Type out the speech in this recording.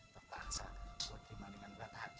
tepat tepat gue cuman dengan berat hati